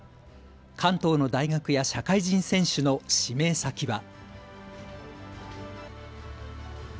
関東の大学や社会人選手の指名先は。